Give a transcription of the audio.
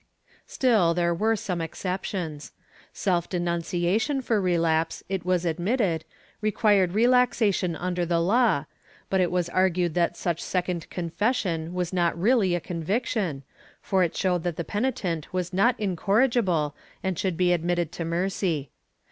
^ Still, there were some exceptions. Self denunciation for relapse, it was admitted, required relaxation under the law, but it was argued that such second confession was not really a conviction, for it showed that the penitent was not incorrigible and should be admitted to mercy.